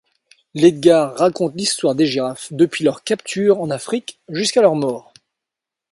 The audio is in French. Ledgard raconte l'histoire des girafes depuis leur capture en Afrique jusqu'à leur mort.